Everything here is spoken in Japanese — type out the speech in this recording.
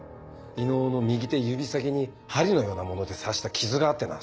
伊能の右手指先に針のようなもので刺した傷があってな